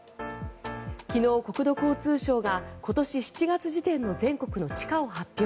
昨日、国土交通省が今年７月時点の全国の地価を発表。